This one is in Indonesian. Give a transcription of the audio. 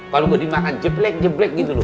kalau gak dimakan jeblek jeblek gitu loh